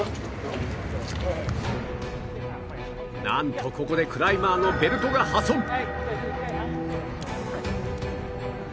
なんとここでクライマーのベルトが破損